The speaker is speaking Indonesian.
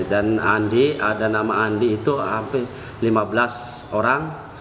dan andi ada nama andi itu hampir lima belas orang